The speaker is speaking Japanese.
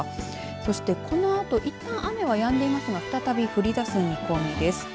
そして、このあといったん雨はやんでいますがこのあと再び降りだす見込みです。